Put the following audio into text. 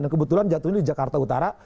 dan kebetulan jatuh ini di jakarta utara